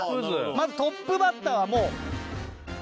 まずトップバッターはもうずばり。